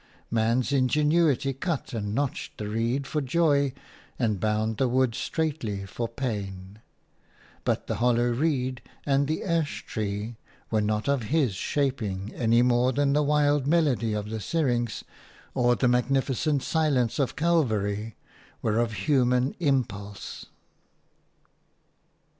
Man's ingenuity cut and notched the reed for joy and bound the wood straitly for pain; but the hollow reed and the ash tree were not of his shaping any more than the wild melody of the syrinx or the magnificent silence of Calvary were of human impulse.